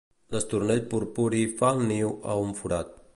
L'estornell purpuri fa el niu a un forat.